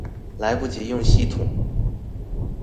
來不及用系統